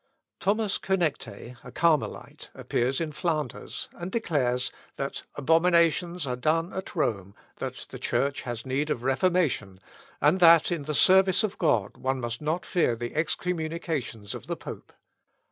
Thomas Conecte, a Carmelite, appears in Flanders, and declares, "that abominations are done at Rome, that the Church has need of reformation, and that, in the service of God, one must not fear the excommunications of the pope."